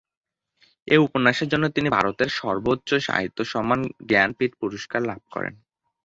এই উপন্যাসের জন্য তিনি ভারতের সর্বোচ্চ সাহিত্য সম্মান জ্ঞানপীঠ পুরস্কার লাভ করেন।